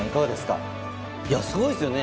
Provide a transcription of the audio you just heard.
すごいですよね。